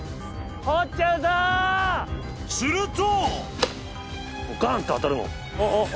［すると］